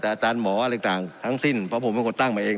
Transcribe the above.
แต่อาจารย์หมออะไรต่างทั้งสิ้นเพราะผมเป็นคนตั้งมาเอง